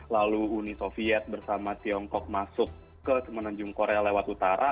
lalu uni soviet bersama tiongkok masuk ke menanjung korea lewat utara